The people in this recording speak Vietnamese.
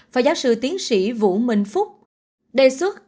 phó giáo sư tiến sĩ vũ minh phúc đề xuất